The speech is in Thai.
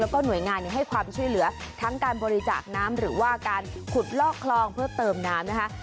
แล้วก็หน่วยงานให้ความช่วยเหลือทั้งการบริจาคน้ำหรือว่าการขุดลอกคลองเพื่อเติมน้ำนะคะ